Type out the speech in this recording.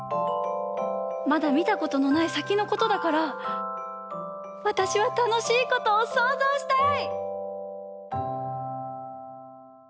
まだみたことのないさきのことだからわたしはたのしいことをそうぞうしたい！